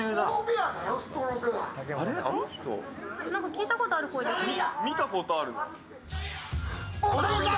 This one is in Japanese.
聞いたことある声ですね。